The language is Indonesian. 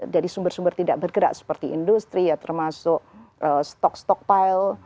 dari sumber sumber tidak bergerak seperti industri ya termasuk stok stockpile